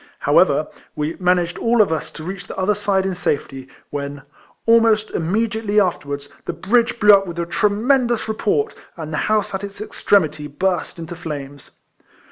However, we managed all of us to reach the other side in safety, when, almost immediately afterwards, the 1 7G RECOLLECTIONS OF bridge blew up with a tremendous report, and a house at its extremity burst into flames.